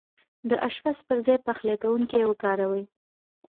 د اشپز پر ځاي پخلی کونکی وکاروئ